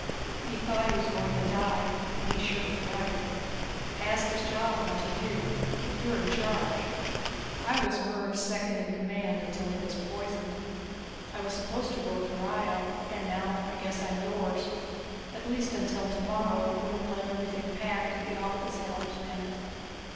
He thought he was going to die and he sure was right. Passed on his job to you. You're in charge. I was Mervv's second in command, until he was poisoned. I was supposed to work for Ihjel, and now I guess I'm yours. At least until tomorrow, when we'll have everything packed and get off this hell planet."